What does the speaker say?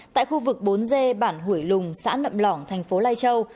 tại khu vực bốn g bản hủy lùng xã nậm lỏng thành phố lai châu